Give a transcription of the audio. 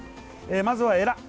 まずは、エラ。